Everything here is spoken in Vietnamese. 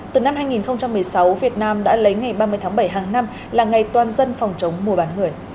từ năm hai nghìn một mươi sáu việt nam đã lấy ngày ba mươi tháng bảy hàng năm là ngày toàn dân phòng chống mua bán người